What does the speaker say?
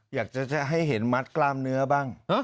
อยากจะให้เห็นมัดกล้ามเนื้อบ้าง